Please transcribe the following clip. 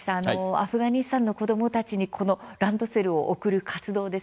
アフガニスタンの子どもたちにこのランドセルを送る活動ですね